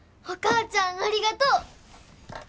お母ちゃんありがとう！